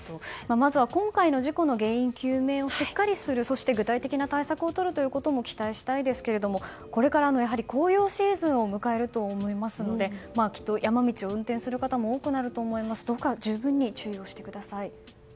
まずは今回の事故の原因究明をしっかりするそして具体的な対策をとることも期待したいですけどもこれから紅葉シーズンを迎えると思いますのできっと山道を運転する方も多くなると思います。